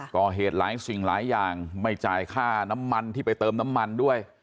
ก่อเหตุหลายสิ่งหลายอย่างไม่จ่ายค่าน้ำมันที่ไปเติมน้ำมันด้วย